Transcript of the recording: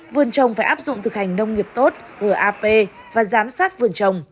vườn trồng phải áp dụng thực hành nông nghiệp tốt gap và giám sát vườn trồng